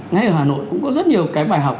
ngay ở hà nội cũng có rất nhiều cái bài học